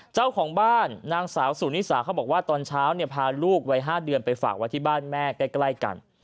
เจ้าของบ้านนางสาวสุนิสาเขาบอกว่าตอนเช้าพาลูกวัย๕เดือนไปฝากไว้ที่บ้านแม่ใกล้กัน